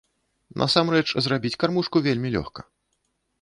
Насамрэч, зрабіць кармушку вельмі лёгка.